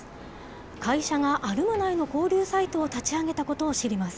会社がアルムナイの交流サイトを立ち上げたことを知ります。